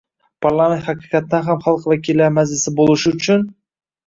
parlament haqiqatdan ham xalq vakillari majlisi bo‘lishi uchun